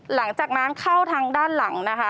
หลังจากน้ำเข้าทางด้านหลังนะคะ